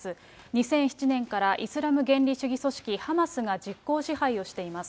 ２００７年からイスラム原理主義組織ハマスが実効支配をしています。